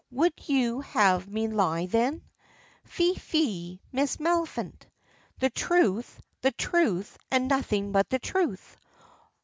Would you have me lie, then? Fie, fie, Miss Maliphant! The truth, the truth, and nothing but the truth!